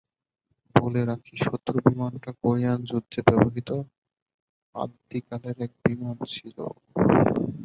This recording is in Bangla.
বলে রাখি, শত্রু বিমানটা কোরিয়ান যুদ্ধে ব্যবহৃত আদ্যিকালের এক বিমান ছিল।